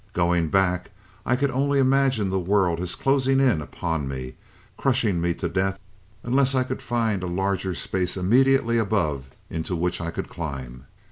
Going back, I could only imagine the world as closing in upon me, crushing me to death unless I could find a larger space immediately above into which I could climb.